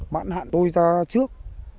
bản hạn tôi ra trước